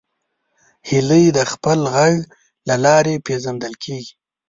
هیلۍ د خپل غږ له لارې پیژندل کېږي